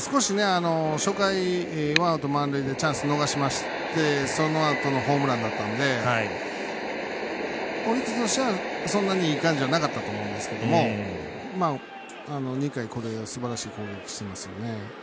少し初回ワンアウト、満塁でチャンスを逃しましてそのあとのホームランだったんでオリックスとしてはそんなにいい感じはなかったと思うんですけど２回すばらしい攻撃してますよね。